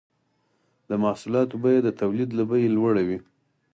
د محصولاتو بیه د تولید له بیې لوړه وي